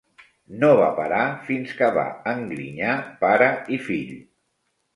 No va parar fins que va engrinyar pare i fill.